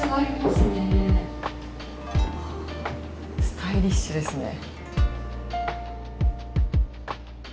スタイリッシュですね。